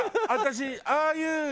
ああそう？